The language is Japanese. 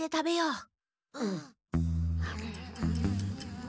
うん。